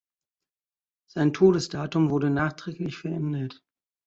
Sein Todesdatum wurde nachträglich verändert.